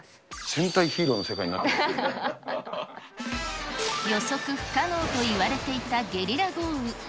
戦隊ヒーローの世界になって予測不可能といわれていたゲリラ豪雨。